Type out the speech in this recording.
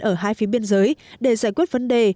ở hai phía biên giới để giải quyết vấn đề